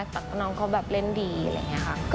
แต่น้องเขาแบบเล่นดีอะไรอย่างนี้ค่ะ